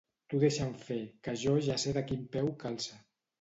Tu deixa’m fer, que jo ja sé de quin peu calça.